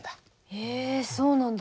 へえそうなんだ。